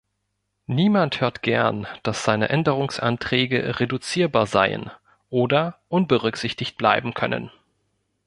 Niemand hört gern, dass seine Änderungsanträge reduzierbar seien oder unberücksichtigt bleiben können.